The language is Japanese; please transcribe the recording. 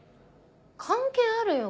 関係あるよ